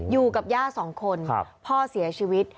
อยู่กับย่าสองคนพ่อเสียชีวิต